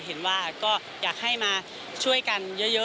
เห็นว่าก็อยากให้มาช่วยกันเยอะ